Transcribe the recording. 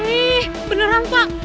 eh beneran pak